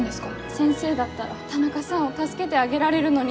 先生だったら田中さんを助けてあげられるのに。